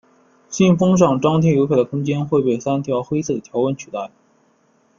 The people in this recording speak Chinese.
信封上张贴邮票的空间会被三条黑色的条纹取代。